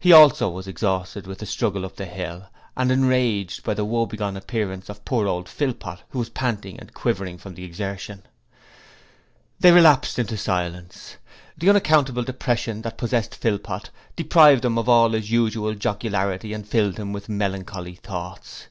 He also was exhausted with the struggle up the hill and enraged by the woebegone appearance of poor old Philpot, who was panting and quivering from the exertion. They relapsed into silence. The unaccountable depression that possessed Philpot deprived him of all his usual jocularity and filled him with melancholy thoughts.